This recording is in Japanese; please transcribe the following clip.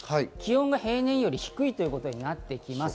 平年より気温が低いということになってきます。